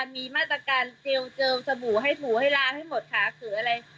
มีมาตรการเจลเจิมสบู่ให้ถูให้ล้างให้หมดขาเขืออะไร